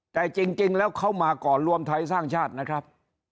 แต่จริงแล้วเขามาก่อนรวมไทยสร้างชาตินะครับ